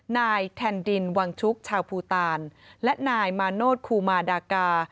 นายแทนดินวังชุกชาวภูตาลและนายมาโนธคูมาดากา